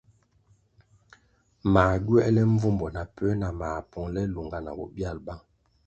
Mā gywēle mbvumbo na puē nah mā pongʼle lunga na bobyal bang.